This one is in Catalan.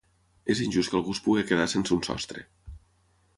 És injust que algú es pugui quedar sense un sostre.